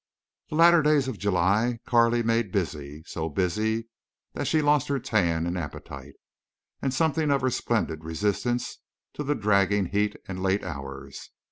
The latter days of July Carley made busy—so busy that she lost her tan and appetite, and something of her splendid resistance to the dragging heat and late hours.